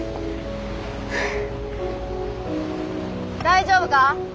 大丈夫か？